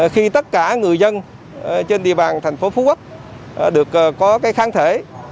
khi tất cả người dân trên địa bàn thành phố phú quốc được có kháng thể